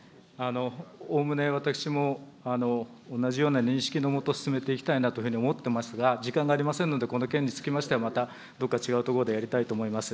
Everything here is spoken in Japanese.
おおむね私も同じような認識のもと、進めていきたいなというふうに思っておりますが、時間がありませんので、この件につきましてはまたどこか違う所でやりたいと思います。